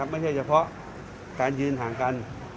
ไม่ใช่เฉพาะการยืนห่างกัน